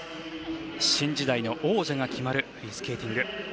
新時代の王者が決まるフリースケーティング。